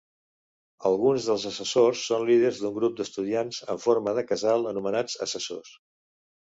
Alguns dels assessors són líders d'un grup d'estudiants en forma de casal, anomenats assessors.